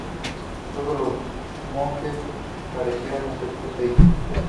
Todos los monjes perecieron, excepto seis.